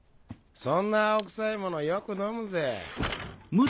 そんな青くさいものよく飲むぜ。